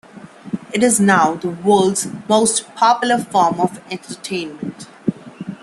It is now the world's most popular form of entertainment.